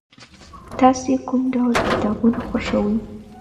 تاسې کوم ډول کتابونه خوښوئ؟